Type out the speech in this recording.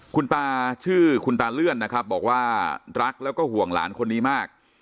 คุณตาชื่อคุณตาเลื่อนนะครับบอกว่ารักแล้วก็ห่วงหลานคนนี้มาก